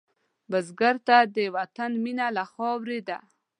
بزګر ته د وطن مینه له خاورې ده